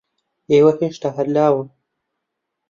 ئێوە ھێشتا ھەر لاون.